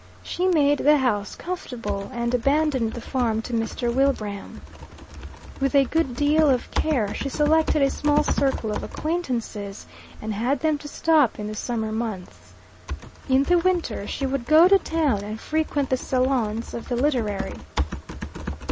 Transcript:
She made the house comfortable, and abandoned the farm to Mr. Wilbraham. With a good deal of care she selected a small circle of acquaintances, and had them to stop in the summer months. In the winter she would go to town and frequent the salons of the literary.